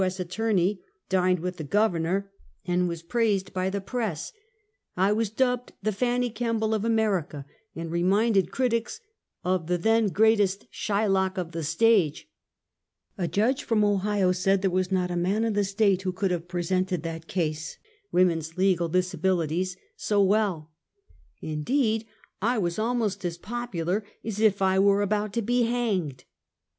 S. Attorney, dined with the Governor, 218 Half a Centukt. and was praised hj the press. I was dubbed the " Fauny Kemble of America," and reminded critics of the then greatest Shylock of the stage. A judge from Ohio said there was " not a man in the State who could have presented that case (Woman's Legal Disa bilities) so well." Indeed, 1 was almost as popular as if I were about to be hanged!